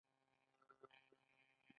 آیا سوداګر بیا په پښو ودرېدل؟